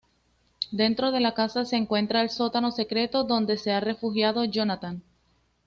Dentro de la casa se encuentra el sótano secreto donde se ha refugiado Jonatan.